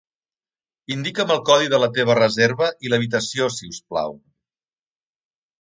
Indica'm el codi de la teva reserva i l'habitació, si us plau.